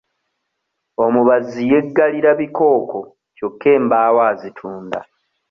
Omubazzi yeggalira bikooko kyokka embaawo azitunda.